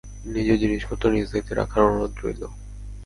নিজের জিনিসপত্র নিজ দায়িত্বে রাখার অনুরোধ রইল।